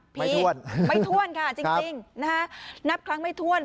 ไม่ท่วนไม่ท่วนค่ะจริงจริงนะฮะนับครั้งไม่ท่วน